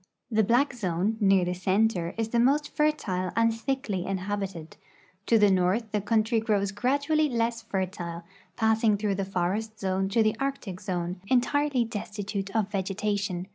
The black zone, near the center, is the most fertile and thickly inhabited. To the north the country grows gradually less fertile, passing through the forest zone to the Arctic zone, entirel}' destitute of vegetation.